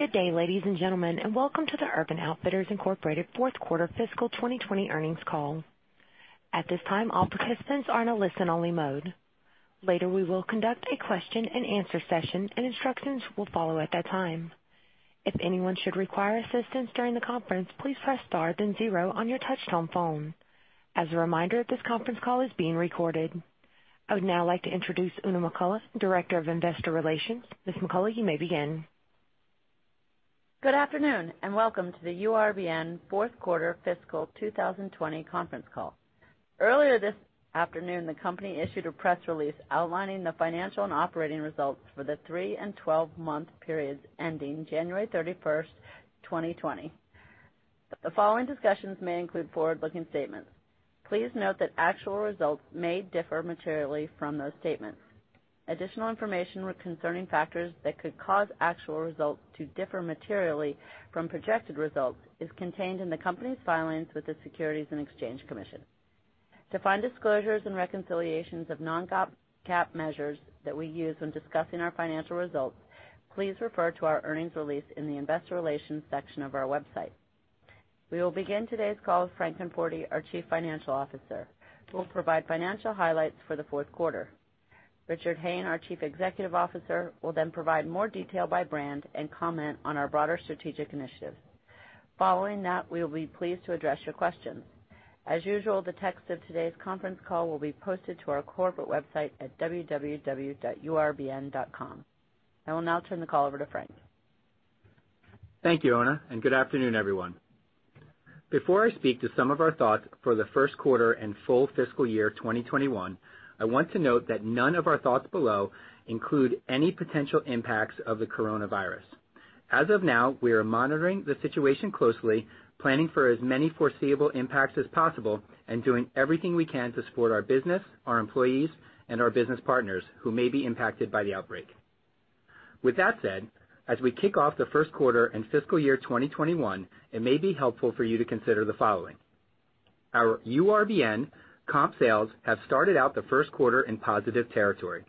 Good day, ladies and gentlemen, and welcome to the Urban Outfitters, Inc. fourth quarter fiscal 2020 earnings call. At this time, all participants are in a listen-only mode. Later, we will conduct a question and answer session, and instructions will follow at that time. If anyone should require assistance during the conference, please press star then zero on your touchtone phone. As a reminder, this conference call is being recorded. I would now like to introduce Oona McCullough, Director of Investor Relations. Ms. McCullough, you may begin. Good afternoon, welcome to the URBN fourth quarter fiscal 2020 conference call. Earlier this afternoon, the company issued a press release outlining the financial and operating results for the three and 12-month periods ending January 31st, 2020. The following discussions may include forward-looking statements. Please note that actual results may differ materially from those statements. Additional information concerning factors that could cause actual results to differ materially from projected results is contained in the company's filings with the Securities and Exchange Commission. To find disclosures and reconciliations of non-GAAP measures that we use when discussing our financial results, please refer to our earnings release in the Investor Relations section of our website. We will begin today's call with Frank Conforti, our Chief Financial Officer, who will provide financial highlights for the fourth quarter. Dick Hayne, our Chief Executive Officer, will then provide more detail by brand and comment on our broader strategic initiatives. Following that, we will be pleased to address your questions. As usual, the text of today's conference call will be posted to our corporate website at www.urbn.com. I will now turn the call over to Frank. Thank you, Oona, and good afternoon, everyone. Before I speak to some of our thoughts for the first quarter and full fiscal year 2021, I want to note that none of our thoughts below include any potential impacts of the coronavirus. As of now, we are monitoring the situation closely, planning for as many foreseeable impacts as possible, and doing everything we can to support our business, our employees, and our business partners who may be impacted by the outbreak. With that said, as we kick off the first quarter and fiscal year 2021, it may be helpful for you to consider the following. Our URBN comp sales have started out the first quarter in positive territory.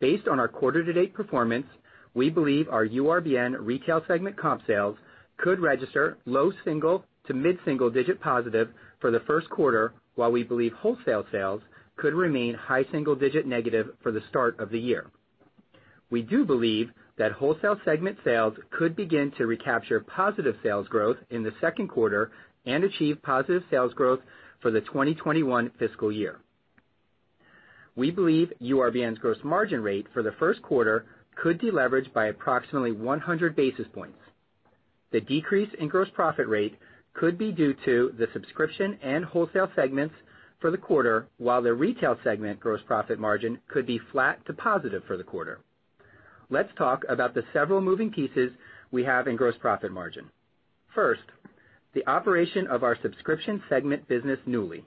Based on our quarter-to-date performance, we believe our URBN retail segment comp sales could register low single-digit to mid-single-digit positive for the first quarter, while we believe wholesale sales could remain high single-digit negative for the start of the year. We do believe that wholesale segment sales could begin to recapture positive sales growth in the second quarter and achieve positive sales growth for the 2021 fiscal year. We believe URBN's gross margin rate for the first quarter could deleverage by approximately 100 basis points. The decrease in gross profit rate could be due to the subscription and wholesale segments for the quarter, while the retail segment gross profit margin could be flat to positive for the quarter. Let's talk about the several moving pieces we have in gross profit margin. First, the operation of our subscription segment business, Nuuly.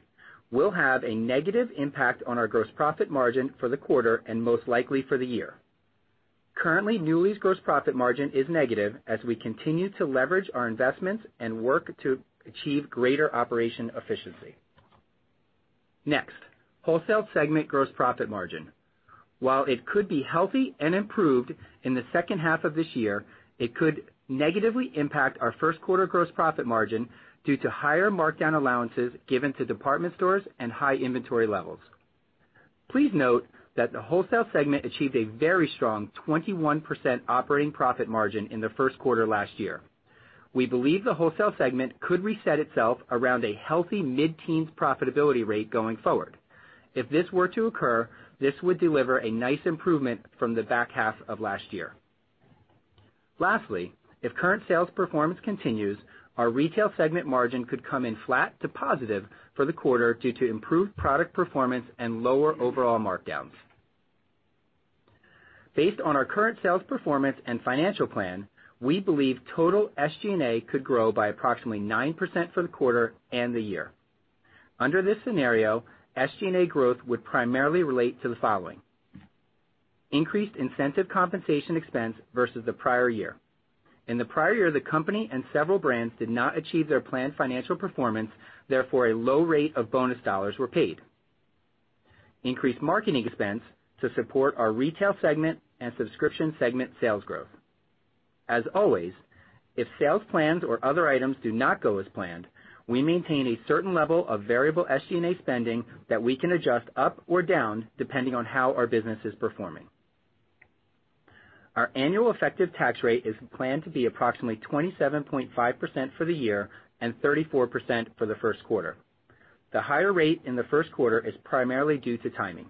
We'll have a negative impact on our gross profit margin for the quarter and most likely for the year. Currently, Nuuly's gross profit margin is negative as we continue to leverage our investments and work to achieve greater operation efficiency. Wholesale segment gross profit margin. While it could be healthy and improved in the second half of this year, it could negatively impact our first quarter gross profit margin due to higher markdown allowances given to department stores and high inventory levels. Please note that the wholesale segment achieved a very strong 21% operating profit margin in the first quarter last year. We believe the wholesale segment could reset itself around a healthy mid-teens profitability rate going forward. If this were to occur, this would deliver a nice improvement from the back half of last year. Lastly, if current sales performance continues, our retail segment margin could come in flat to positive for the quarter due to improved product performance and lower overall markdowns. Based on our current sales performance and financial plan, we believe total SG&A could grow by approximately 9% for the quarter and the year. Under this scenario, SG&A growth would primarily relate to the following: increased incentive compensation expense versus the prior year. In the prior year, the company and several brands did not achieve their planned financial performance, therefore, a low rate of bonus dollars were paid. Increased marketing expense to support our retail segment and subscription segment sales growth. As always, if sales plans or other items do not go as planned, we maintain a certain level of variable SG&A spending that we can adjust up or down, depending on how our business is performing. Our annual effective tax rate is planned to be approximately 27.5% for the year and 34% for the first quarter. The higher rate in the first quarter is primarily due to timing.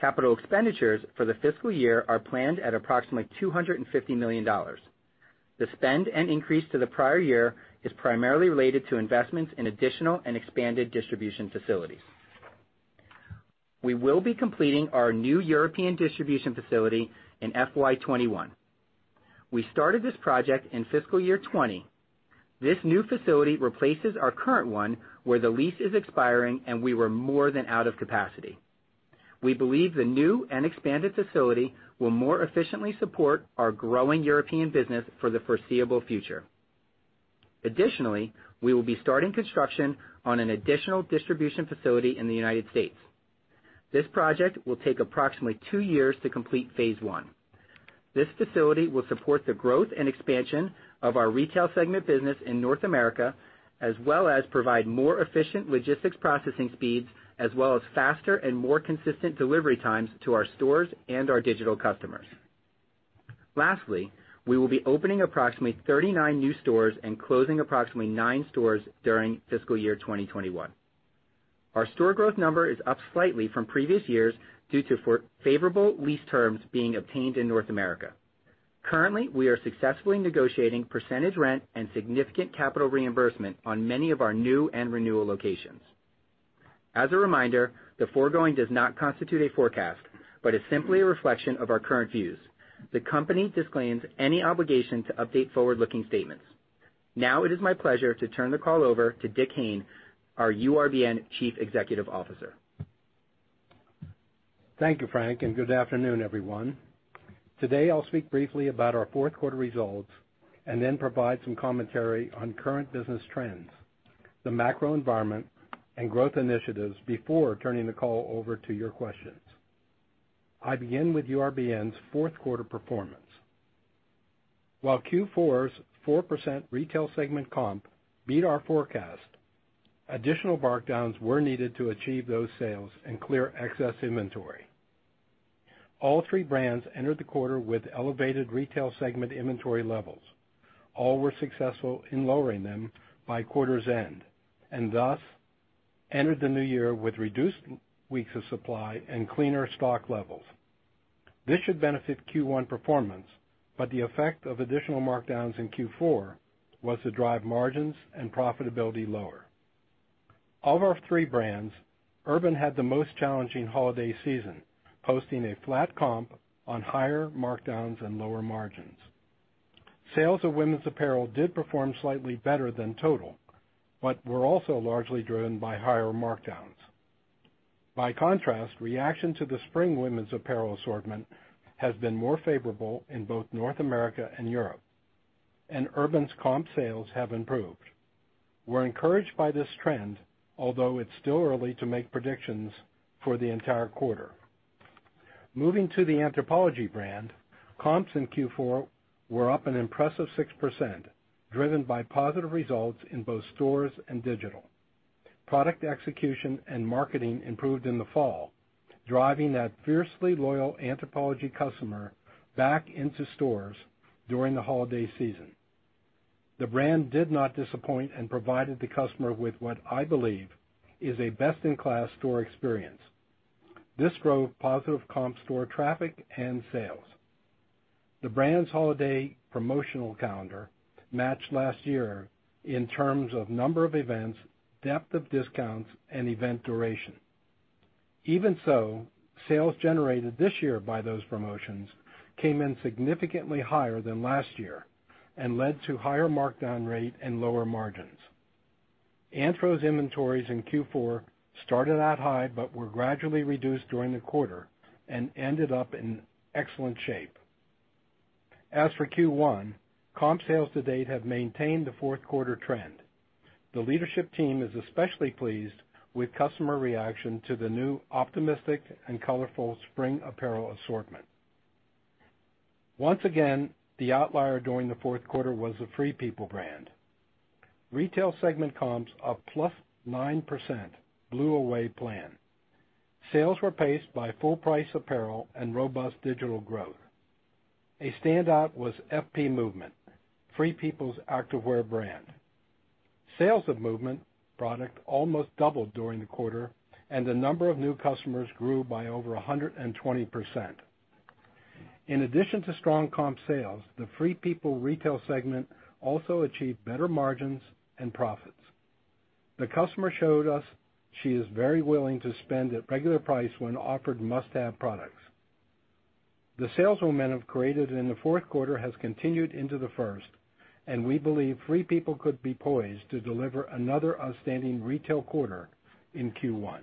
Capital expenditures for the fiscal year are planned at approximately $250 million. The spend and increase to the prior year is primarily related to investments in additional and expanded distribution facilities. We will be completing our new European distribution facility in FY '21. We started this project in fiscal year '20. This new facility replaces our current one, where the lease is expiring, and we were more than out of capacity. We believe the new and expanded facility will more efficiently support our growing European business for the foreseeable future. Additionally, we will be starting construction on an additional distribution facility in the U.S. This project will take approximately two years to complete Phase 1. This facility will support the growth and expansion of our retail segment business in North America, as well as provide more efficient logistics processing speeds, as well as faster and more consistent delivery times to our stores and our digital customers. Lastly, we will be opening approximately 39 new stores and closing approximately nine stores during fiscal year 2021. Our store growth number is up slightly from previous years due to favorable lease terms being obtained in North America. Currently, we are successfully negotiating percentage rent and significant capital reimbursement on many of our new and renewal locations. As a reminder, the foregoing does not constitute a forecast, but is simply a reflection of our current views. The company disclaims any obligation to update forward-looking statements. Now it is my pleasure to turn the call over to Dick Hayne, our URBN Chief Executive Officer. Thank you, Frank, and good afternoon, everyone. Today, I'll speak briefly about our fourth quarter results and then provide some commentary on current business trends, the macro environment, and growth initiatives before turning the call over to your questions. I begin with URBN's fourth quarter performance. While Q4's 4% retail segment comp beat our forecast, additional markdowns were needed to achieve those sales and clear excess inventory. All three brands entered the quarter with elevated retail segment inventory levels. All were successful in lowering them by quarter's end, thus entered the new year with reduced weeks of supply and cleaner stock levels. This should benefit Q1 performance, the effect of additional markdowns in Q4 was to drive margins and profitability lower. Of our three brands, Urban Outfitters had the most challenging holiday season, posting a flat comp on higher markdowns and lower margins. Sales of women's apparel did perform slightly better than total, were also largely driven by higher markdowns. By contrast, reaction to the spring women's apparel assortment has been more favorable in both North America and Europe, Urban's comp sales have improved. We're encouraged by this trend, although it's still early to make predictions for the entire quarter. Moving to the Anthropologie brand, comps in Q4 were up an impressive 6%, driven by positive results in both stores and digital. Product execution and marketing improved in the fall, driving that fiercely loyal Anthropologie customer back into stores during the holiday season. The brand did not disappoint, provided the customer with what I believe is a best-in-class store experience. This drove positive comp store traffic and sales. The brand's holiday promotional calendar matched last year in terms of number of events, depth of discounts, and event duration. Even so, sales generated this year by those promotions came in significantly higher than last year and led to higher markdown rate and lower margins. Anthropologie's inventories in Q4 started out high but were gradually reduced during the quarter and ended up in excellent shape. As for Q1, comp sales to date have maintained the fourth quarter trend. The leadership team is especially pleased with customer reaction to the new optimistic and colorful spring apparel assortment. Once again, the outlier during the fourth quarter was the Free People brand. Retail segment comps up plus 9% blew away plan. Sales were paced by full-price apparel and robust digital growth. A standout was FP Movement, Free People's activewear brand. Sales of Movement product almost doubled during the quarter, and the number of new customers grew by over 120%. In addition to strong comp sales, the Free People retail segment also achieved better margins and profits. The customer showed us she is very willing to spend at regular price when offered must-have products. The sales momentum created in the fourth quarter has continued into the first, and we believe Free People could be poised to deliver another outstanding retail quarter in Q1.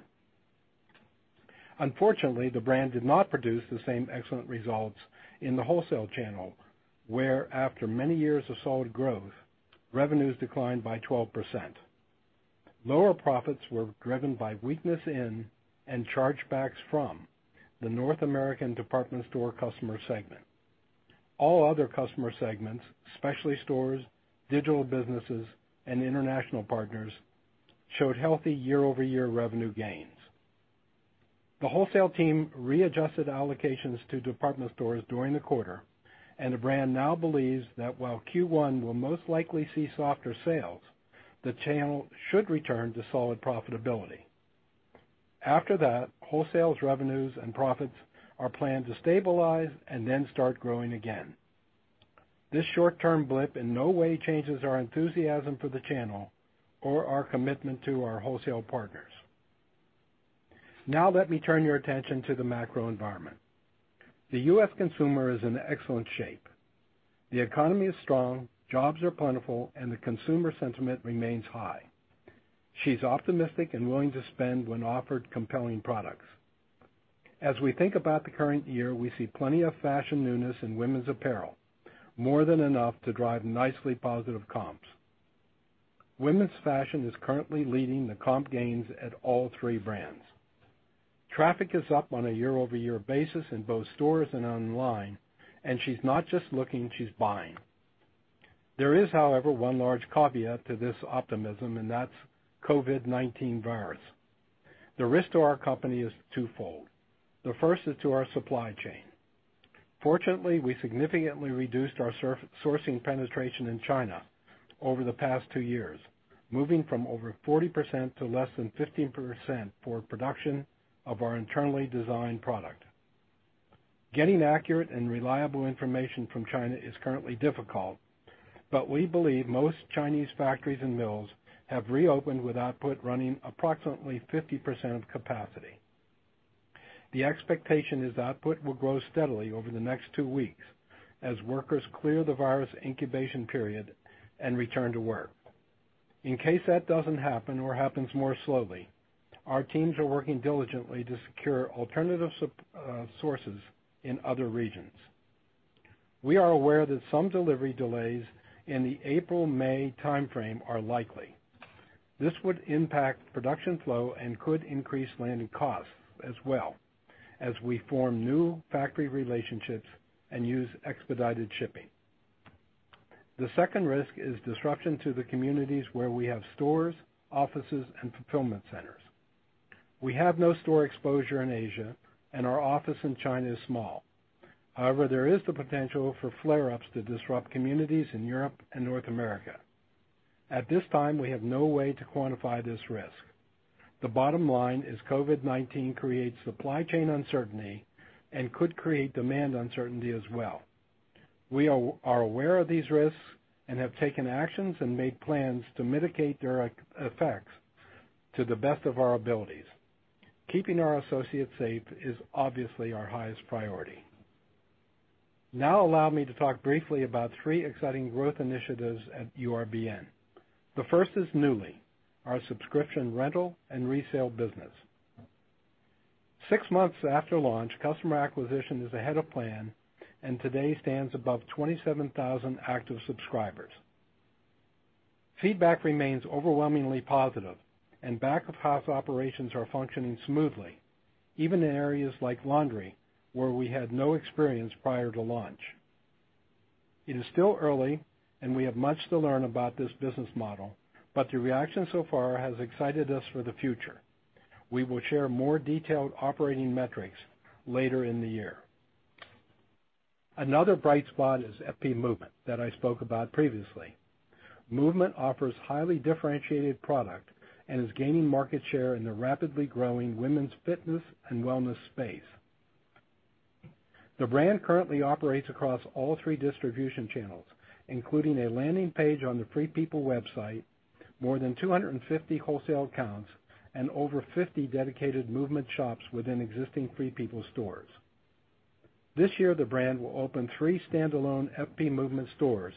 Unfortunately, the brand did not produce the same excellent results in the wholesale channel, where after many years of solid growth, revenues declined by 12%. Lower profits were driven by weakness in and chargebacks from the North American department store customer segment. All other customer segments, specialty stores, digital businesses, and international partners, showed healthy year-over-year revenue gains. The wholesale team readjusted allocations to department stores during the quarter, and the brand now believes that while Q1 will most likely see softer sales, the channel should return to solid profitability. After that, wholesale revenues and profits are planned to stabilize and then start growing again. This short-term blip in no way changes our enthusiasm for the channel or our commitment to our wholesale partners. Let me turn your attention to the macro environment. The U.S. consumer is in excellent shape. The economy is strong, jobs are plentiful, and the consumer sentiment remains high. She's optimistic and willing to spend when offered compelling products. As we think about the current year, we see plenty of fashion newness in women's apparel, more than enough to drive nicely positive comps. Women's fashion is currently leading the comp gains at all three brands. Traffic is up on a year-over-year basis in both stores and online, and she's not just looking, she's buying. There is, however, one large caveat to this optimism, and that's COVID-19 virus. The risk to our company is twofold. The first is to our supply chain. Fortunately, we significantly reduced our sourcing penetration in China over the past two years, moving from over 40% to less than 15% for production of our internally designed product. Getting accurate and reliable information from China is currently difficult, but we believe most Chinese factories and mills have reopened with output running approximately 50% of capacity. The expectation is output will grow steadily over the next two weeks as workers clear the virus incubation period and return to work. In case that doesn't happen or happens more slowly, our teams are working diligently to secure alternative sources in other regions. We are aware that some delivery delays in the April-May timeframe are likely. This would impact production flow and could increase landing costs as well as we form new factory relationships and use expedited shipping. The second risk is disruption to the communities where we have stores, offices, and fulfillment centers. We have no store exposure in Asia, and our office in China is small. However, there is the potential for flare-ups to disrupt communities in Europe and North America. At this time, we have no way to quantify this risk. The bottom line is COVID-19 creates supply chain uncertainty and could create demand uncertainty as well. We are aware of these risks and have taken actions and made plans to mitigate their effects to the best of our abilities. Keeping our associates safe is obviously our highest priority. Now allow me to talk briefly about three exciting growth initiatives at URBN. The first is Nuuly, our subscription, rental, and resale business. Six months after launch, customer acquisition is ahead of plan and today stands above 27,000 active subscribers. Feedback remains overwhelmingly positive and back-of-house operations are functioning smoothly, even in areas like laundry, where we had no experience prior to launch. It is still early, and we have much to learn about this business model, but the reaction so far has excited us for the future. We will share more detailed operating metrics later in the year. Another bright spot is FP Movement that I spoke about previously. Movement offers highly differentiated product and is gaining market share in the rapidly growing women's fitness and wellness space. The brand currently operates across all three distribution channels, including a landing page on the Free People website, more than 250 wholesale accounts, and over 50 dedicated Movement shops within existing Free People stores. This year, the brand will open three standalone FP Movement stores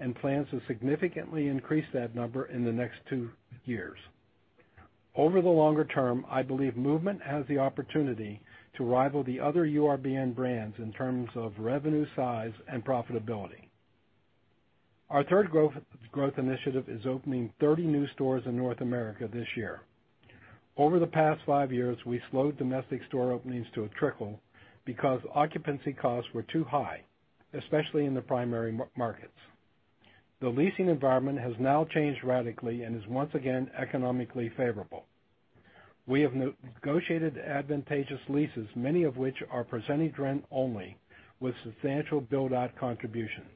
and plans to significantly increase that number in the next two years. Over the longer term, I believe Movement has the opportunity to rival the other URBN brands in terms of revenue size and profitability. Our third growth initiative is opening 30 new stores in North America this year. Over the past five years, we slowed domestic store openings to a trickle because occupancy costs were too high, especially in the primary markets. The leasing environment has now changed radically and is once again economically favorable. We have negotiated advantageous leases, many of which are percentage rent only, with substantial build-out contributions.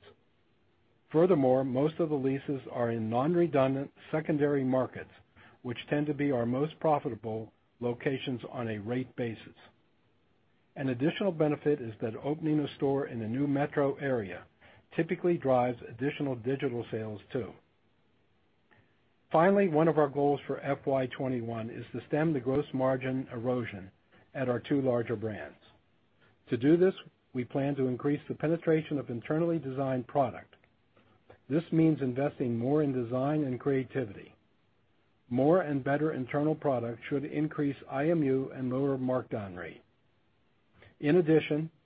Most of the leases are in non-redundant secondary markets, which tend to be our most profitable locations on a rate basis. An additional benefit is that opening a store in a new metro area typically drives additional digital sales too. One of our goals for FY 2021 is to stem the gross margin erosion at our two larger brands. To do this, we plan to increase the penetration of internally designed product. This means investing more in design and creativity. More and better internal product should increase IMU and lower markdown rate.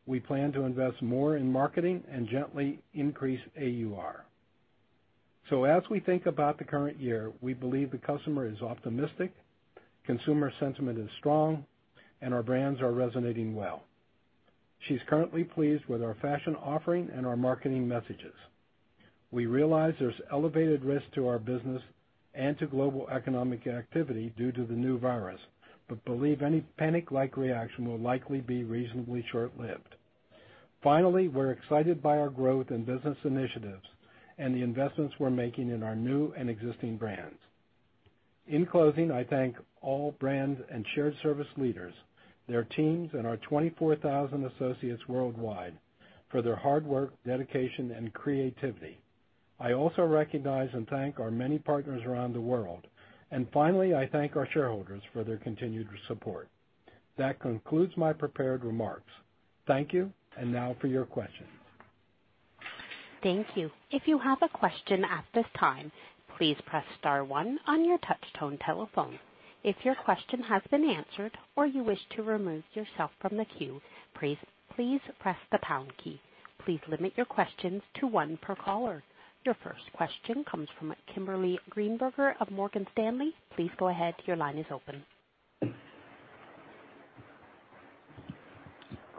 We plan to invest more in marketing and gently increase AUR. As we think about the current year, we believe the customer is optimistic, consumer sentiment is strong, and our brands are resonating well. She's currently pleased with our fashion offering and our marketing messages. We realize there's elevated risk to our business and to global economic activity due to the new virus but believe any panic-like reaction will likely be reasonably short-lived. Finally, we're excited by our growth and business initiatives and the investments we're making in our new and existing brands. In closing, I thank all brand and shared service leaders, their teams, and our 24,000 associates worldwide for their hard work, dedication, and creativity. I also recognize and thank our many partners around the world. Finally, I thank our shareholders for their continued support. That concludes my prepared remarks. Thank you. Now for your questions. Thank you. If you have a question at this time, please press star one on your touch-tone telephone. If your question has been answered or you wish to remove yourself from the queue, please press the pound key. Please limit your questions to one per caller. Your first question comes from Kimberly Greenberger of Morgan Stanley. Please go ahead. Your line is open.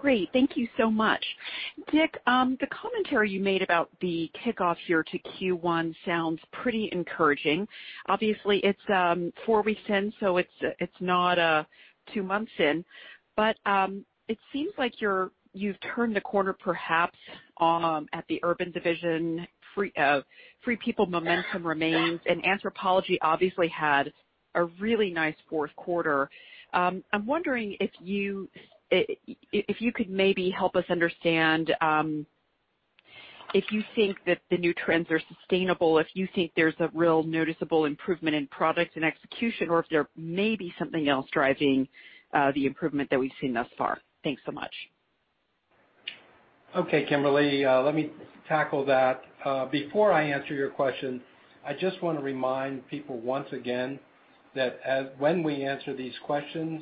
Great. Thank you so much. Dick, the commentary you made about the kickoff here to Q1 sounds pretty encouraging. Obviously, it's four weeks in, so it's not two months in. It seems like you've turned a corner, perhaps, at the Urban division. Free People momentum remains, and Anthropologie obviously had a really nice fourth quarter. I'm wondering if you could maybe help us understand if you think that the new trends are sustainable, if you think there's a real noticeable improvement in product and execution, or if there may be something else driving the improvement that we've seen thus far. Thanks so much. Okay, Kimberly. Let me tackle that. Before I answer your question, I just want to remind people once again that when we answer these questions,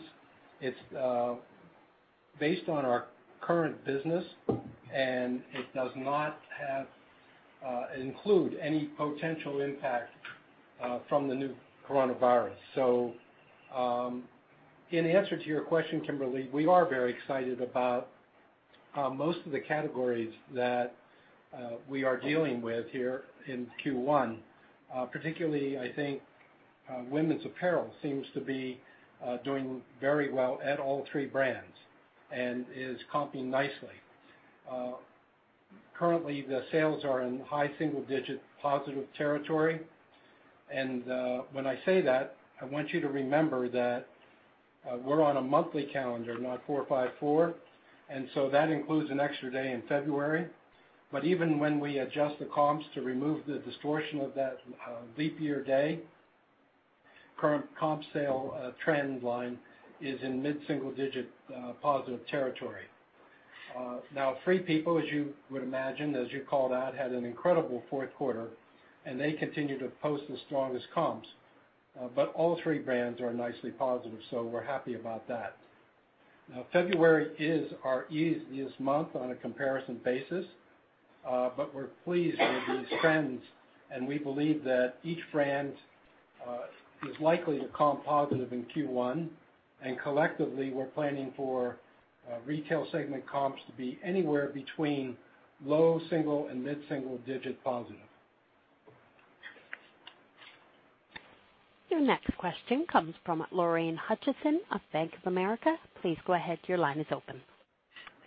it's based on our current business, and it does not include any potential impact from the new coronavirus. In answer to your question, Kimberly, we are very excited about most of the categories that we are dealing with here in Q1. Particularly, I think women's apparel seems to be doing very well at all three brands and is comping nicely. Currently, the sales are in high single-digit positive territory. When I say that, I want you to remember that we're on a monthly calendar, not 4-5-4. That includes an extra day in February. Even when we adjust the comps to remove the distortion of that leap year day, current comp sale trend line is in mid-single digit positive territory. Free People, as you would imagine, as you called out, had an incredible fourth quarter, and they continue to post the strongest comps. All three brands are nicely positive, so we're happy about that. February is our easiest month on a comparison basis, but we're pleased with these trends, and we believe that each brand is likely to comp positive in Q1. Collectively, we're planning for retail segment comps to be anywhere between low single and mid-single digit positive. Your next question comes from Lorraine Hutchinson of Bank of America. Please go ahead. Your line is open.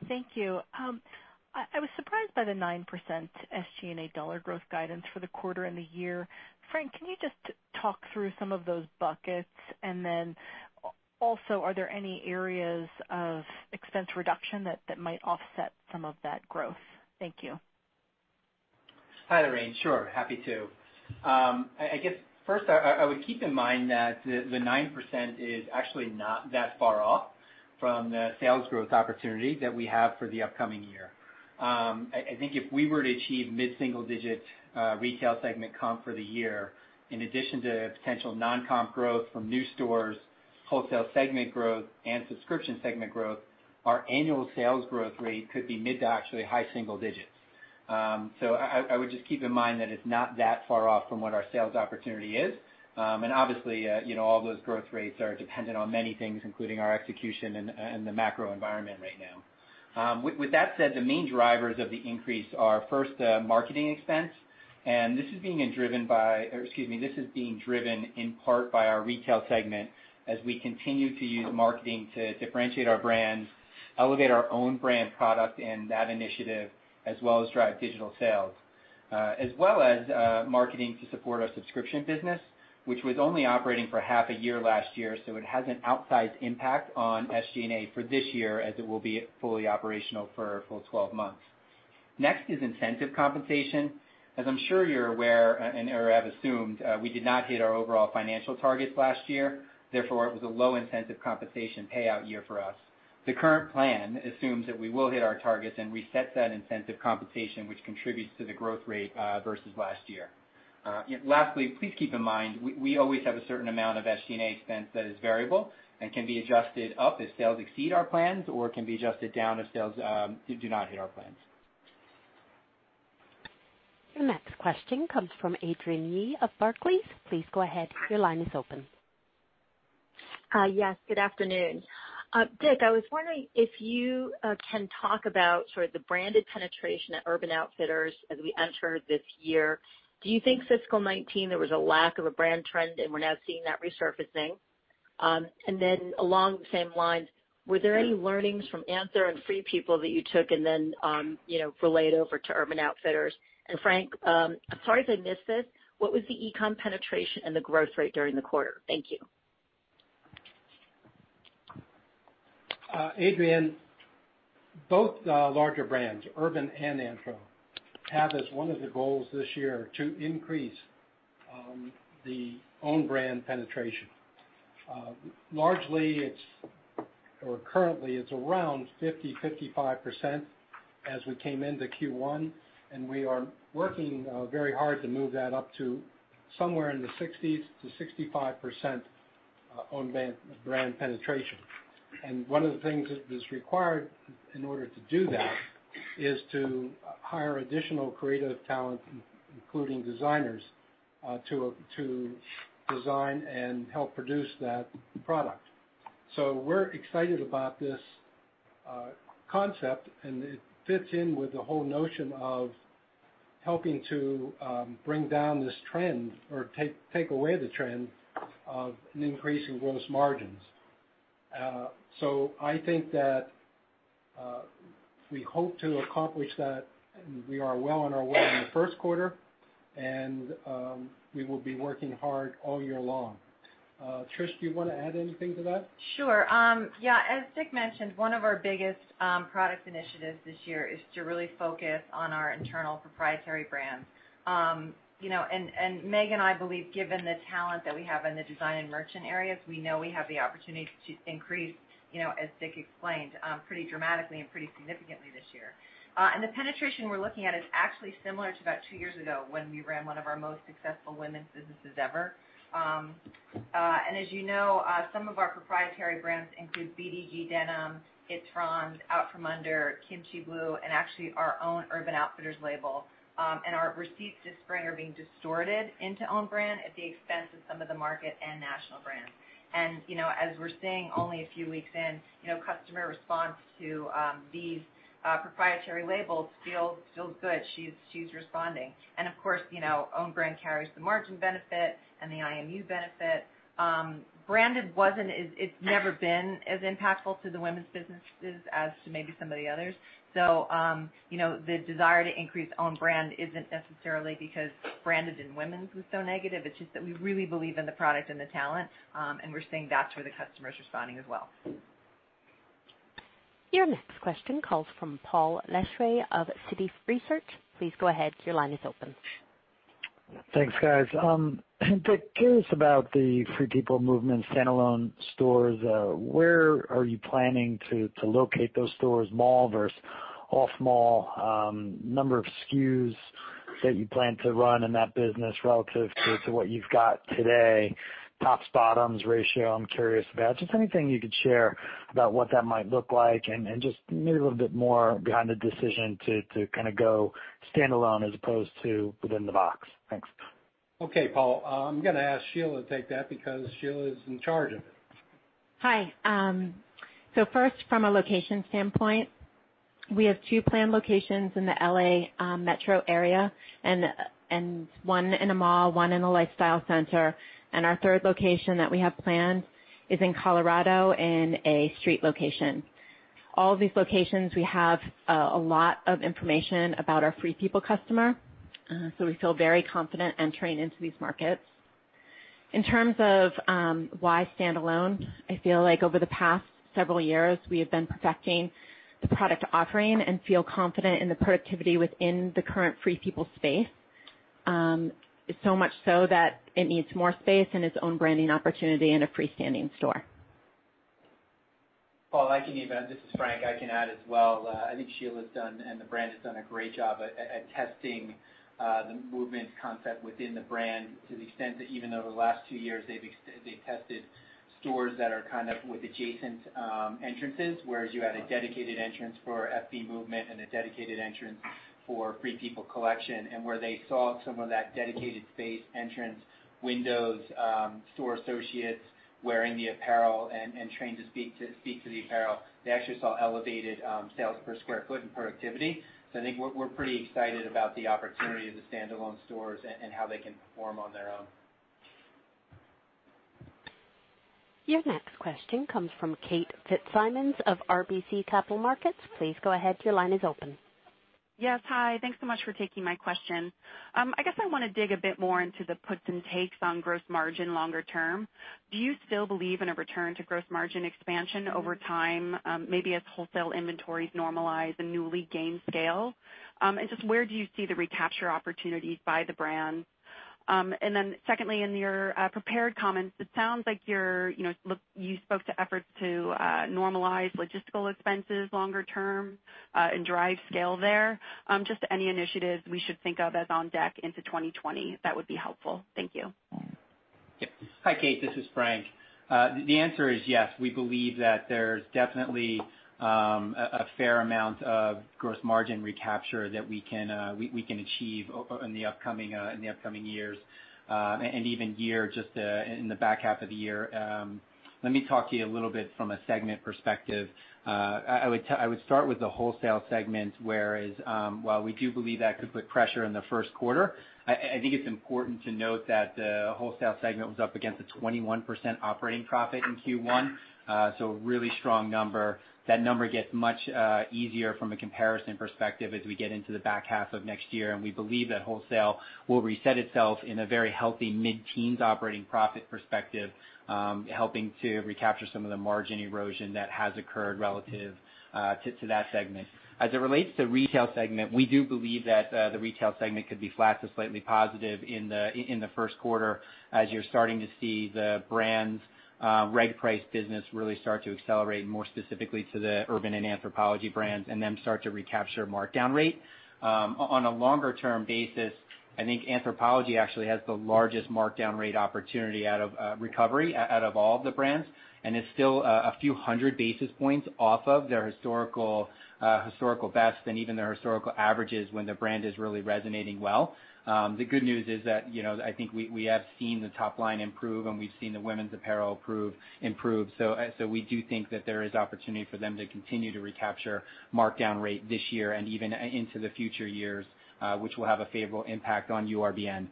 Thank you. I was surprised by the 9% SG&A dollar growth guidance for the quarter and the year. Frank, can you just talk through some of those buckets? Are there any areas of expense reduction that might offset some of that growth? Thank you. Hi, Lorraine. Sure. Happy to. I guess first, I would keep in mind that the 9% is actually not that far off from the sales growth opportunity that we have for the upcoming year. I think if we were to achieve mid-single digit retail segment comp for the year, in addition to potential non-comp growth from new stores, wholesale segment growth, and subscription segment growth, our annual sales growth rate could be mid to actually high single digits. I would just keep in mind that it's not that far off from what our sales opportunity is. Obviously, all those growth rates are dependent on many things, including our execution and the macro environment right now. With that said, the main drivers of the increase are, first, marketing expense, and this is being driven in part by our retail segment as we continue to use marketing to differentiate our brands, elevate our own brand product, and that initiative, as well as drive digital sales. Marketing to support our subscription business, which was only operating for half a year last year, so it has an outsized impact on SG&A for this year as it will be fully operational for a full 12 months. Next is incentive compensation. As I'm sure you're aware or have assumed, we did not hit our overall financial targets last year. Therefore, it was a low incentive compensation payout year for us. The current plan assumes that we will hit our targets and resets that incentive compensation, which contributes to the growth rate versus last year. Lastly, please keep in mind, we always have a certain amount of SG&A expense that is variable and can be adjusted up if sales exceed our plans or can be adjusted down if sales do not hit our plans. The next question comes from Adrienne Yih of Barclays. Please go ahead. Your line is open. Yes, good afternoon. Dick, I was wondering if you can talk about sort of the branded penetration at Urban Outfitters as we enter this year. Do you think FY 2019, there was a lack of a brand trend and we're now seeing that resurfacing? Along the same lines, were there any learnings from Anthropologie and Free People that you took and then relayed over to Urban Outfitters? Frank, I'm sorry if I missed this, what was the e-com penetration and the growth rate during the quarter? Thank you. Adrienne, both larger brands, Urban and Anthropologie, have as one of the goals this year to increase the own brand penetration. Currently, it's around 50%, 55% as we came into Q1, and we are working very hard to move that up to somewhere in the 60%-65% own brand penetration. One of the things that is required in order to do that is to hire additional creative talent, including designers, to design and help produce that product. We're excited about this concept, and it fits in with the whole notion of helping to bring down this trend or take away the trend of an increase in gross margins. I think that we hope to accomplish that, and we are well on our way in the first quarter, and we will be working hard all year long. Trish, do you want to add anything to that? Sure. Yeah, as Dick mentioned, one of our biggest product initiatives this year is to really focus on our internal proprietary brands. Meg, I believe given the talent that we have in the design and merchant areas, we know we have the opportunity to increase, as Dick explained, pretty dramatically and pretty significantly this year. The penetration we're looking at is actually similar to about two years ago when we ran one of our most successful women's businesses ever. As you know, some of our proprietary brands include BDG Denim, Out From Under, Kimchi Blue, and actually our own Urban Outfitters label. Our receipts this spring are being distorted into own brand at the expense of some of the market and national brands. As we're seeing only a few weeks in, customer response to these proprietary labels feels good. She's responding. Of course, own brand carries the margin benefit and the IMU benefit. Branded, it's never been as impactful to the women's businesses as to maybe some of the others. The desire to increase own brand isn't necessarily because branded in women's was so negative. It's just that we really believe in the product and the talent, and we're seeing that's where the customer's responding as well. Your next question calls from Paul Lejuez of Citi Research. Please go ahead. Your line is open. Thanks, guys. Dick, curious about the Free People Movement standalone stores. Where are you planning to locate those stores, mall versus off-mall, number of SKUs that you plan to run in that business relative to what you've got today, tops, bottoms, ratio, I'm curious about. Just anything you could share about what that might look like and just maybe a little bit more behind the decision to kind of go standalone as opposed to within the box. Thanks. Okay, Paul. I'm gonna ask Sheila to take that because Sheila is in charge of it. Hi. First, from a location standpoint, we have two planned locations in the L.A. Metro area and one in a mall, one in a lifestyle center. Our third location that we have planned is in Colorado in a street location. All of these locations, we have a lot of information about our Free People customer, so we feel very confident entering into these markets. In terms of why standalone, I feel like over the past several years, we have been perfecting the product offering and feel confident in the productivity within the current Free People space. Much so that it needs more space and its own branding opportunity in a freestanding store. Paul, this is Frank. I can add as well. I think Sheila's done and the brand has done a great job at testing the FP Movement concept within the brand to the extent that even over the last two years, they've tested stores that are kind of with adjacent entrances, whereas you had a dedicated entrance for FP Movement and a dedicated entrance for Free People collection, and where they saw some of that dedicated space, entrance, windows, store associates wearing the apparel and trained to speak to the apparel. They actually saw elevated sales per square foot and productivity. I think we're pretty excited about the opportunity of the standalone stores and how they can perform on their own. Your next question comes from Kate Fitzsimons of RBC Capital Markets. Please go ahead. Your line is open. Yes. Hi. Thanks so much for taking my question. I guess I want to dig a bit more into the puts and takes on gross margin longer term. Do you still believe in a return to gross margin expansion over time, maybe as wholesale inventories normalize and Nuuly gained scale? Just where do you see the recapture opportunities by the brand? Secondly, in your prepared comments, it sounds like you spoke to efforts to normalize logistical expenses longer term, and drive scale there. Just any initiatives we should think of as on deck into 2020, that would be helpful. Thank you. Hi, Kate. This is Frank. The answer is yes. We believe that there's definitely a fair amount of gross margin recapture that we can achieve in the upcoming years, and even year, just in the back half of the year. Let me talk to you a little bit from a segment perspective. I would start with the wholesale segment, whereas, while we do believe that could put pressure in the first quarter, I think it's important to note that the wholesale segment was up against a 21% operating profit in Q1. A really strong number. That number gets much easier from a comparison perspective as we get into the back half of next year. We believe that wholesale will reset itself in a very healthy mid-teens operating profit perspective, helping to recapture some of the margin erosion that has occurred relative to that segment. As it relates to retail segment, we do believe that the retail segment could be flat to slightly positive in the first quarter as you're starting to see the brand's reg price business really start to accelerate more specifically to the Urban Outfitters and Anthropologie brands and then start to recapture markdown rate. On a longer-term basis, I think Anthropologie actually has the largest markdown rate opportunity out of recovery out of all the brands, and is still a few hundred basis points off of their historical best and even their historical averages when the brand is really resonating well. The good news is that, I think we have seen the top line improve, and we've seen the women's apparel improve. We do think that there is opportunity for them to continue to recapture markdown rate this year and even into the future years. Which will have a favorable impact on URBN.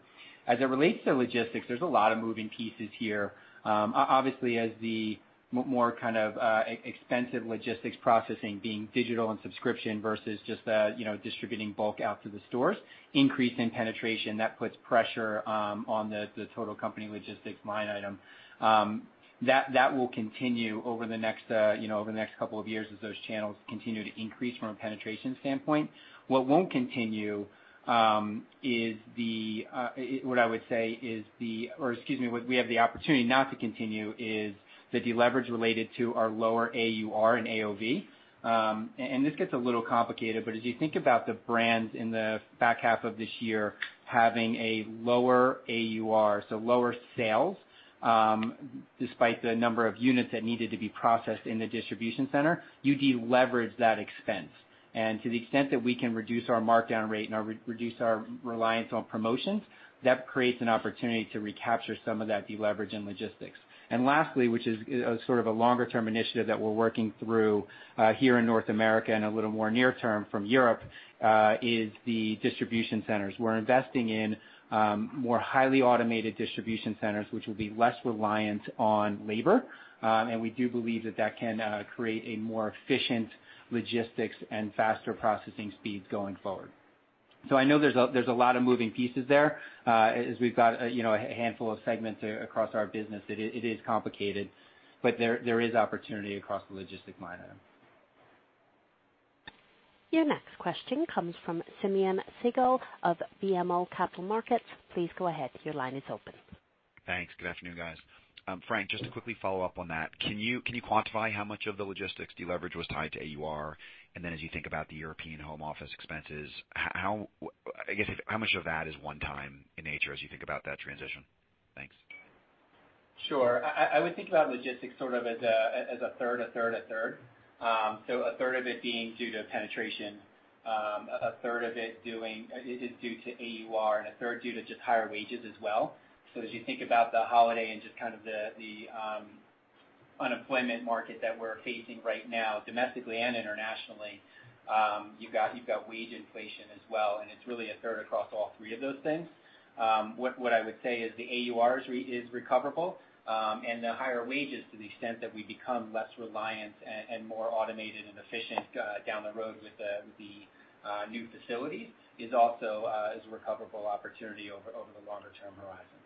As it relates to logistics, there's a lot of moving pieces here. Obviously, as the more kind of expensive logistics processing being digital and subscription versus just the distributing bulk out to the stores, increase in penetration, that puts pressure on the total company logistics line item. That will continue over the next couple of years as those channels continue to increase from a penetration standpoint. What we have the opportunity not to continue is the deleverage related to our lower AUR and AOV. This gets a little complicated, but as you think about the brands in the back half of this year having a lower AUR, so lower sales, despite the number of units that needed to be processed in the distribution center, you deleverage that expense. To the extent that we can reduce our markdown rate and reduce our reliance on promotions, that creates an opportunity to recapture some of that deleverage in logistics. Lastly, which is sort of a longer-term initiative that we're working through, here in North America and a little more near term from Europe, is the distribution centers. We're investing in more highly automated distribution centers, which will be less reliant on labor. We do believe that that can create a more efficient logistics and faster processing speeds going forward. I know there's a lot of moving pieces there. As we've got a handful of segments across our business, it is complicated, but there is opportunity across the logistic line item. Your next question comes from Simeon Siegel of BMO Capital Markets. Please go ahead. Your line is open. Thanks. Good afternoon, guys. Frank, just to quickly follow up on that, can you quantify how much of the logistics deleverage was tied to AUR? As you think about the European home office expenses, I guess, how much of that is one-time in nature as you think about that transition? Thanks. Sure. I would think about logistics sort of as a third, a third, a third. A third of it being due to penetration, a third of it is due to AUR, and a third due to just higher wages as well. As you think about the holiday and just kind of the unemployment market that we're facing right now, domestically and internationally, you've got wage inflation as well, and it's really a third across all three of those things. What I would say is the AUR is recoverable, and the higher wages, to the extent that we become less reliant and more automated and efficient down the road with the new facilities, is also a recoverable opportunity over the longer term horizon.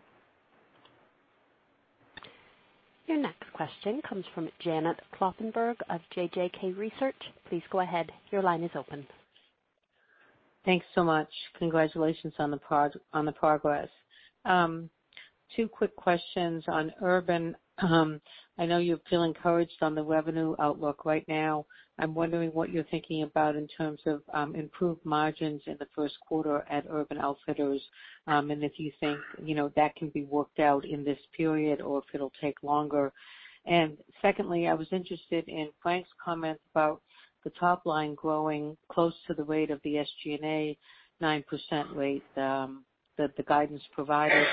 Your next question comes from Janet Kloppenburg of JJK Research. Please go ahead. Your line is open. Thanks so much. Congratulations on the progress. Two quick questions. On Urban Outfitters, I know you feel encouraged on the revenue outlook right now. I'm wondering what you're thinking about in terms of improved margins in the first quarter at Urban Outfitters, and if you think that can be worked out in this period or if it'll take longer. Secondly, I was interested in Frank's comment about the top line growing close to the rate of the SG&A 9% rate, the guidance provided.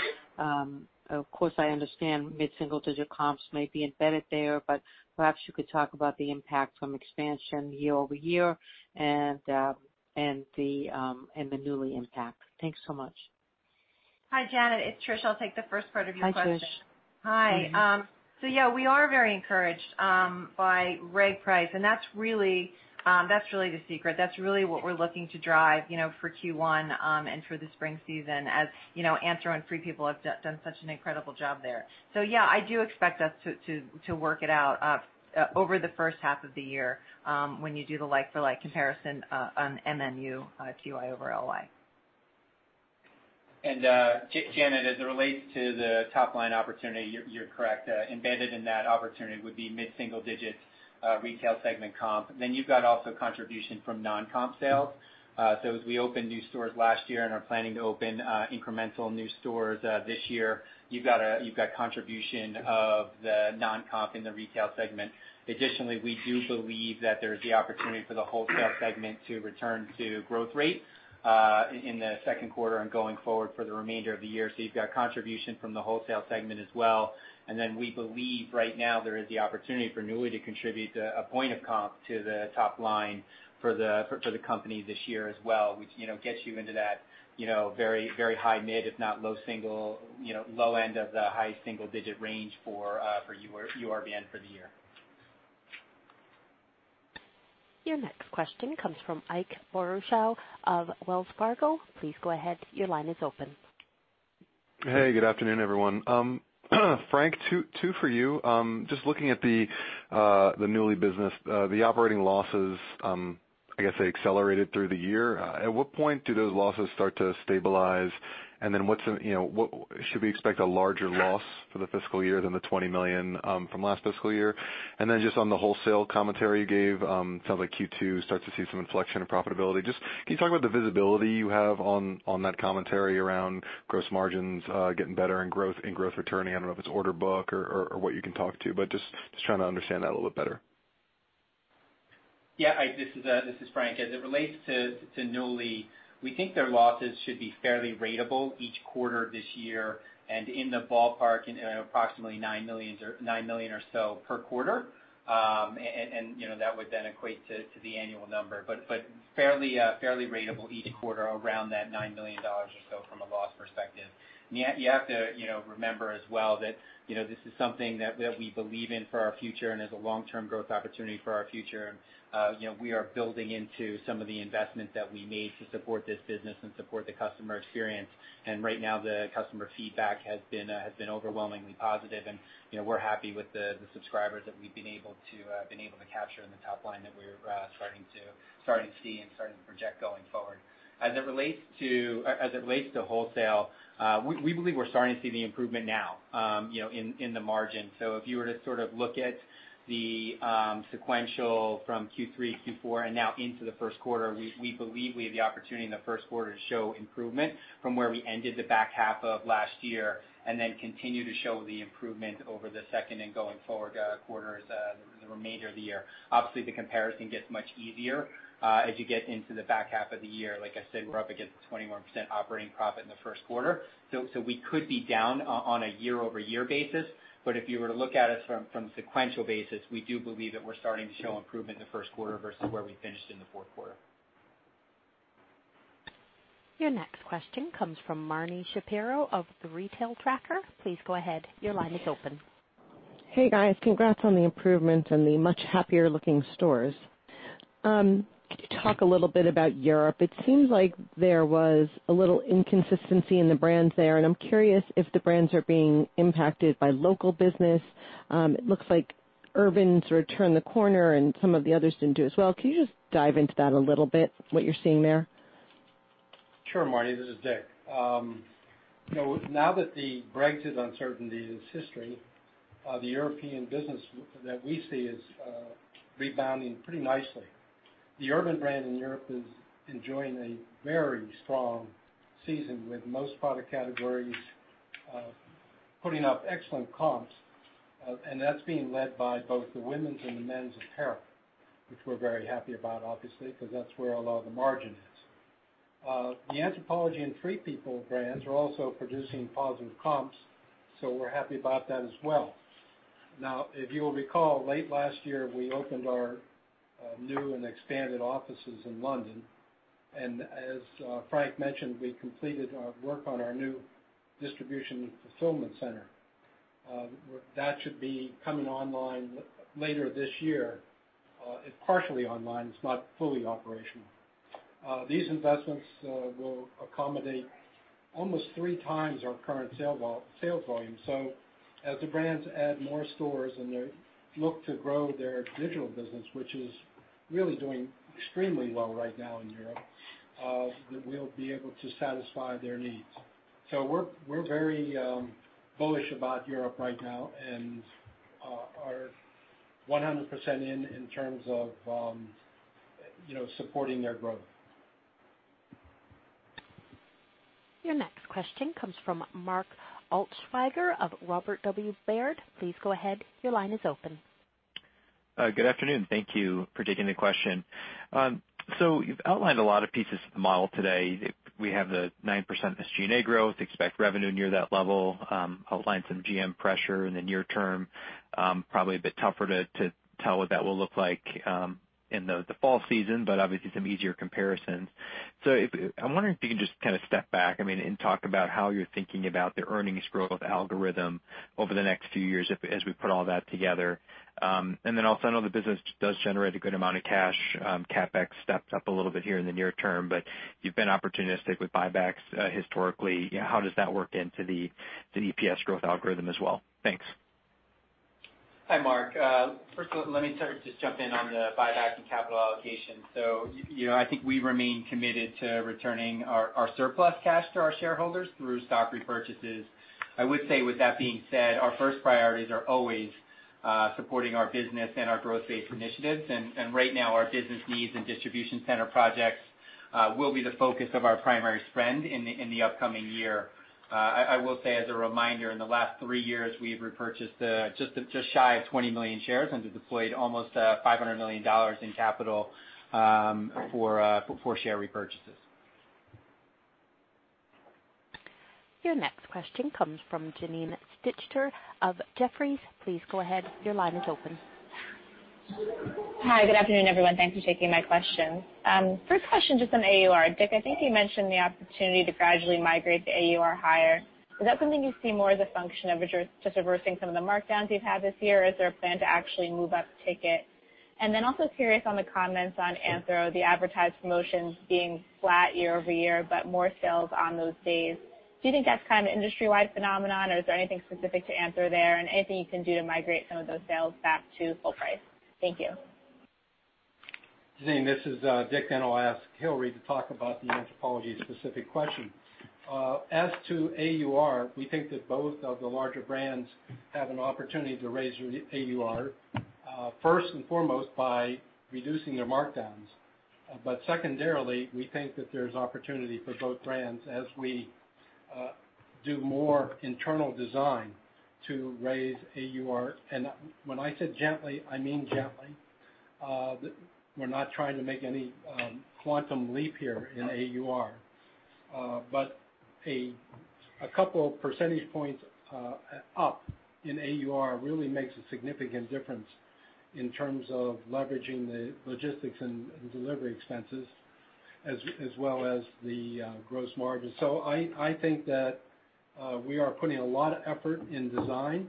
Of course, I understand mid-single-digit comps may be embedded there, but perhaps you could talk about the impact from expansion year-over-year and the Nuuly impact. Thanks so much. Hi, Janet, it's Trish. I'll take the first part of your question. Hi, Trish. Hi. Yeah, we are very encouraged by reg price, and that's really the secret. That's really what we're looking to drive for Q1, and for the spring season as Anthropologie and Free People have done such an incredible job there. Yeah, I do expect us to work it out over the first half of the year, when you do the like-for-like comparison on MNU Q1 over LY. Janet, as it relates to the top-line opportunity, you're correct. Embedded in that opportunity would be mid-single digits retail segment comp. You've got also contribution from non-comp sales. As we open new stores last year and are planning to open incremental new stores this year, you've got contribution of the non-comp in the retail segment. Additionally, we do believe that there's the opportunity for the wholesale segment to return to growth rate in the second quarter and going forward for the remainder of the year. You've got contribution from the wholesale segment as well, and then we believe right now there is the opportunity for Nuuly to contribute a point of comp to the top line for the company this year as well, which gets you into that very high mid, if not low end of the high single-digit range for URBN for the year. Your next question comes from Ike Boruchow of Wells Fargo. Please go ahead. Your line is open. Hey, good afternoon, everyone. Frank, two for you. Just looking at the Nuuly business, the operating losses, I guess they accelerated through the year. At what point do those losses start to stabilize, and then should we expect a larger loss for the fiscal year than the $20 million from last fiscal year? Just on the wholesale commentary you gave, sounds like Q2 starts to see some inflection of profitability. Just, can you talk about the visibility you have on that commentary around gross margins getting better and growth returning? I don't know if it's order book or what you can talk to, but just trying to understand that a little bit better. Yeah, Ike, this is Frank. As it relates to Nuuly, we think their losses should be fairly ratable each quarter this year and in the ballpark in approximately $9 million or so per quarter. That would then equate to number, but fairly ratable each quarter around that $9 million or so from a loss perspective. You have to remember as well that this is something that we believe in for our future and as a long-term growth opportunity for our future. We are building into some of the investments that we made to support this business and support the customer experience. Right now, the customer feedback has been overwhelmingly positive, and we're happy with the subscribers that we've been able to capture in the top line that we're starting to see and starting to project going forward. As it relates to wholesale, we believe we're starting to see the improvement now in the margin. If you were to look at the sequential from Q3, Q4, and now into the first quarter, we believe we have the opportunity in the first quarter to show improvement from where we ended the back half of last year and then continue to show the improvement over the second and going forward quarters, the remainder of the year. Obviously, the comparison gets much easier as you get into the back half of the year. Like I said, we're up against a 21% operating profit in the first quarter. We could be down on a year-over-year basis, but if you were to look at us from sequential basis, we do believe that we're starting to show improvement in the first quarter versus where we finished in the fourth quarter. Your next question comes from Marni Shapiro of The Retail Tracker. Please go ahead. Your line is open. Hey, guys. Congrats on the improvements and the much happier looking stores. Could you talk a little bit about Europe? It seems like there was a little inconsistency in the brands there, and I'm curious if the brands are being impacted by local business. It looks like Urban Outfitters's sort of turned the corner and some of the others didn't do as well. Can you just dive into that a little bit, what you're seeing there? Sure, Marni. This is Dick. Now that the Brexit uncertainty is history, the European business that we see is rebounding pretty nicely. The Urban brand in Europe is enjoying a very strong season with most product categories putting up excellent comps, and that's being led by both the women's and the men's apparel, which we're very happy about, obviously, because that's where a lot of the margin is. The Anthropologie and Free People brands are also producing positive comps, so we're happy about that as well. Now, if you will recall, late last year, we opened our new and expanded offices in London, and as Frank mentioned, we completed our work on our new distribution fulfillment center. That should be coming online later this year. It's partially online. It's not fully operational. These investments will accommodate almost three times our current sales volume. As the brands add more stores and they look to grow their digital business, which is really doing extremely well right now in Europe, that we'll be able to satisfy their needs. We're very bullish about Europe right now and are 100% in terms of supporting their growth. Your next question comes from Mark Altschwager of Robert W. Baird. Please go ahead. Your line is open. Good afternoon. Thank you for taking the question. You've outlined a lot of pieces of the model today. We have the 9% SG&A growth, expect revenue near that level, outlined some GM pressure in the near term. Probably a bit tougher to tell what that will look like in the fall season, but obviously some easier comparisons. I'm wondering if you can just kind of step back, and talk about how you're thinking about the earnings growth algorithm over the next few years as we put all that together. Then also, I know the business does generate a good amount of cash, CapEx steps up a little bit here in the near term, but you've been opportunistic with buybacks historically. How does that work into the EPS growth algorithm as well? Thanks. Hi, Mark. First of all, let me sort of just jump in on the buyback and capital allocation. I think we remain committed to returning our surplus cash to our shareholders through stock repurchases. I would say, with that being said, our first priorities are always supporting our business and our growth-based initiatives. Right now, our business needs and distribution center projects will be the focus of our primary spend in the upcoming year. I will say, as a reminder, in the last three years, we've repurchased just shy of 20 million shares and have deployed almost $500 million in capital for share repurchases. Your next question comes from Janine Stichter of Jefferies. Please go ahead. Your line is open. Hi. Good afternoon, everyone. Thanks for taking my question. First question, just on AUR. Dick, I think you mentioned the opportunity to gradually migrate the AUR higher. Is that something you see more as a function of just reversing some of the markdowns you've had this year, or is there a plan to actually move up ticket? Also curious on the comments on Anthropologie, the advertised promotions being flat year-over-year, but more sales on those days. Do you think that's kind of an industry-wide phenomenon, or is there anything specific to Anthropologie there? Anything you can do to migrate some of those sales back to full price? Thank you. Janine, this is Dick. I'll ask Hillary to talk about the Anthropologie specific question. As to AUR, we think that both of the larger brands have an opportunity to raise AUR, first and foremost, by reducing their markdowns. Secondarily, we think that there's opportunity for both brands as we do more internal design to raise AUR. When I said gently, I mean gently. We're not trying to make any quantum leap here in AUR. A couple percentage points up in AUR really makes a significant difference in terms of leveraging the logistics and delivery expenses, as well as the gross margin. I think that we are putting a lot of effort in design,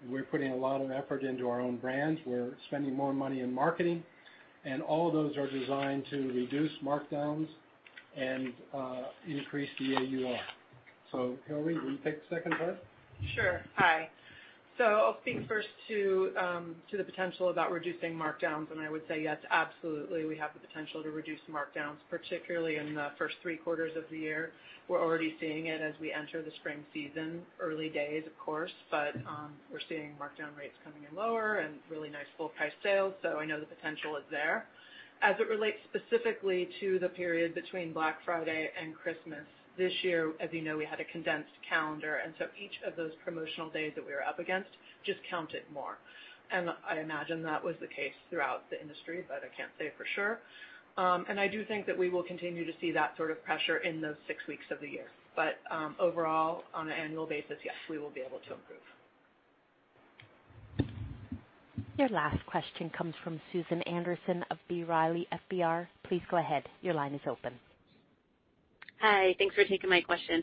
and we're putting a lot of effort into our own brands. We're spending more money in marketing, all of those are designed to reduce markdowns and increase the AUR. Hillary, will you take the second part? Sure. Hi. I'll speak first to the potential about reducing markdowns. I would say, yes, absolutely, we have the potential to reduce markdowns, particularly in the first three quarters of the year. We're already seeing it as we enter the spring season. Early days, of course, but we're seeing markdown rates coming in lower and really nice full price sales, so I know the potential is there. As it relates specifically to the period between Black Friday and Christmas this year, as you know, we had a condensed calendar, and so each of those promotional days that we were up against just counted more. I imagine that was the case throughout the industry, but I can't say for sure. I do think that we will continue to see that sort of pressure in those six weeks of the year. Overall, on an annual basis, yes, we will be able to improve. Your last question comes from Susan Anderson of B. Riley FBR. Please go ahead. Your line is open. Hi. Thanks for taking my question.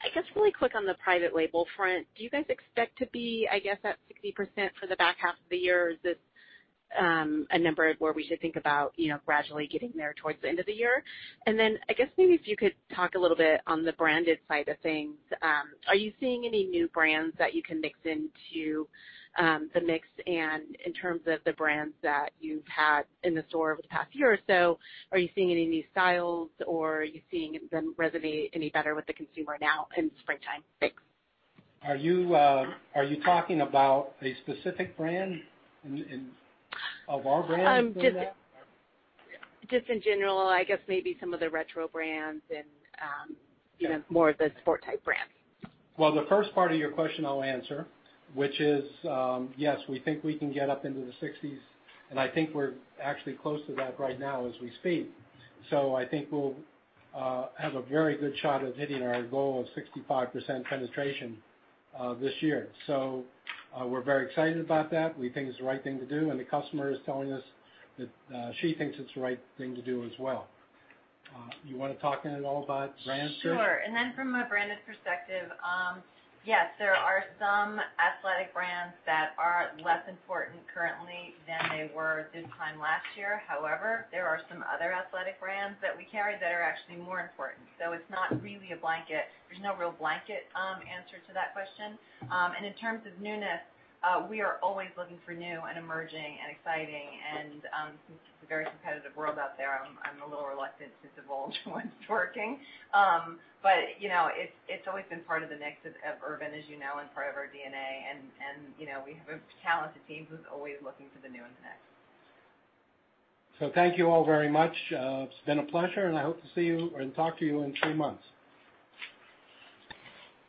I guess really quick on the private label front, do you guys expect to be at 60% for the back half of the year, or is this a number where we should think about gradually getting there towards the end of the year? Then, I guess maybe if you could talk a little bit on the branded side of things. Are you seeing any new brands that you can mix into the mix and in terms of the brands that you've had in the store over the past year or so, are you seeing any new styles, or are you seeing them resonate any better with the consumer now in springtime? Thanks. Are you talking about a specific brand of our brands that are there? Just in general, I guess maybe some of the retro brands and more of the sport type brands. Well, the first part of your question I'll answer, which is, yes, we think we can get up into the sixties, and I think we're actually close to that right now as we speak. I think we'll have a very good shot at hitting our goal of 65% penetration this year. We're very excited about that. We think it's the right thing to do, and the customer is telling us that she thinks it's the right thing to do as well. You want to talk at all about brands too? Sure. From a branded perspective, yes, there are some athletic brands that are less important currently than they were this time last year. However, there are some other athletic brands that we carry that are actually more important. There's no real blanket answer to that question. In terms of newness, we are always looking for new and emerging and exciting and since it's a very competitive world out there, I'm a little reluctant to divulge what's working. It's always been part of the mix of Urban Outfitters, as you know, and part of our DNA, and we have a talented team who's always looking for the new and the next. Thank you all very much. It's been a pleasure, and I hope to see you and talk to you in three months.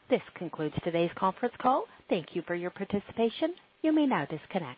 This concludes today's conference call. Thank you for your participation. You may now disconnect.